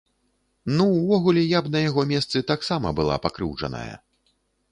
Ну, увогуле, я б на яго месцы таксама была пакрыўджаная.